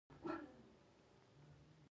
د کیسه لیکوالو شمېر مو لسګونه هم نه دی.